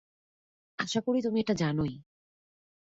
আশা করি তুমি এটা জানোই।